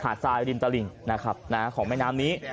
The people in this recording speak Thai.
ทรายริมตลิ่งนะครับของแม่น้ำนี้